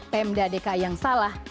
pemprov dki yang salah